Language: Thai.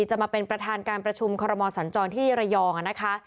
จะมาเป็นประธานการประชุมคอรมอสัญจรที่ระยองนะคะ